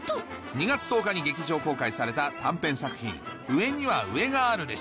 ２月１０日に劇場公開された短編作品『上には上がある』でした